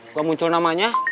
nggak muncul namanya